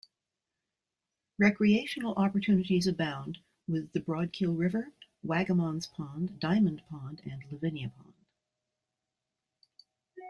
Recreational opportunities abound with the Broadkill River, Wagamon's Pond, Diamond Pond and Lavinia Pond.